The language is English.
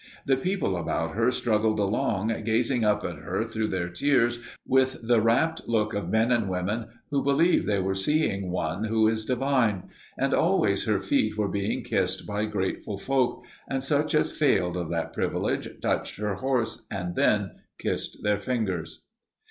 The people about her struggled along, gazing up at her through their tears with the rapt look of men and women who believed they are seeing one who is divine; and always her feet were being kissed by grateful folk, and such as failed of that privilege touched her horse and then kissed their fingers.